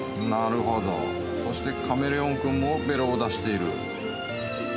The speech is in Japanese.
なるほど、そしてカメレオン君もべろを出している。